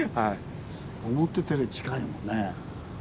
思ってたより近いもんね。